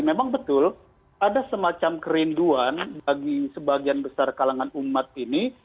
memang betul ada semacam kerinduan bagi sebagian besar kalangan umat ini